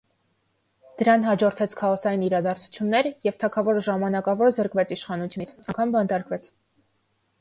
Դրան հաջորդեց քաոսային իրադարձություններ և թագավորը ժամանակավոր զրկվեց իշխանությունից, անգամ բանտարկվեց։